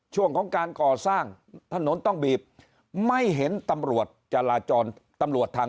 ช่วงของการก่อสร้างถนนต้องบีบไม่เห็นตำรวจจราจรตำรวจทาง